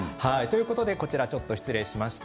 こちら、ちょっと失礼しまして。